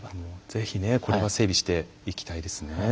ぜひねこれは整備していきたいですね。